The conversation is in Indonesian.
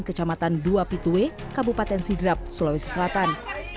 kecamatan dua pituwe kabupaten sidrap sulawesi selatan